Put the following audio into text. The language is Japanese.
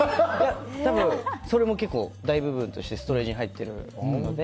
多分、それも結構大部分としてストレージに入ってて。